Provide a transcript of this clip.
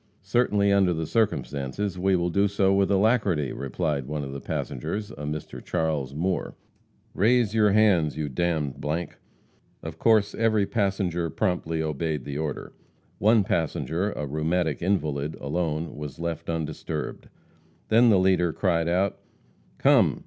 "Certainly, under the circumstances, we will do so with alacrity," replied one of the passengers, a Mr. Charles Moore. "Raise your hands, you d d ." Of course every passenger promptly obeyed the order. One passenger, a rheumatic invalid, alone, was left undisturbed. Then the leader cried out: "Come!